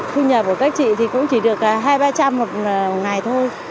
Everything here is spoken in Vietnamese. thu nhập của các chị thì cũng chỉ được hai trăm linh ba trăm linh một ngày thôi